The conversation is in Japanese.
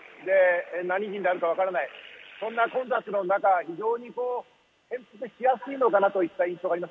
何人かわからない、そんな混雑の中、潜伏しやすいのかなという印象があります。